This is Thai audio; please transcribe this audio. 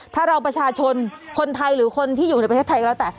ถ้าเราประชาชนคนไทยหรือคนที่อยู่ในประเทศไทยก็แล้วแต่